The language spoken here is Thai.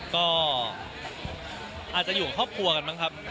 ก็อาจจะอยู่กับครอบครัวกันบ้างครับ